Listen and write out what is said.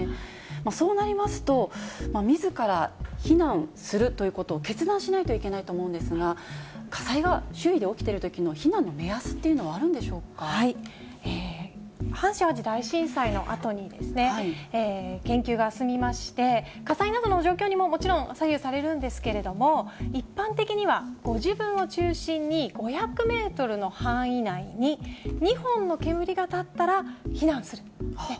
そうなりますと、みずから避難するということを決断しないといけないと思うんですが、火災が周囲で起きているときの避難の目安っていうのはあるんでし阪神・淡路大震災のあとに研究が進みまして、火災などの状況にももちろん左右されるんですけれども、一般的にはご自分を中心に５００メートルの範囲内に、２本の煙が立ったら避難する。